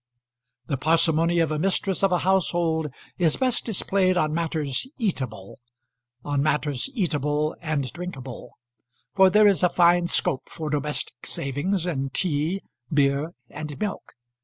The parsimony of a mistress of a household is best displayed on matters eatable; on matters eatable and drinkable; for there is a fine scope for domestic savings in tea, beer, and milk.